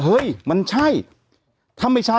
แต่หนูจะเอากับน้องเขามาแต่ว่า